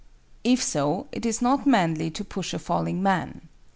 If so, it is not manly to push a falling man."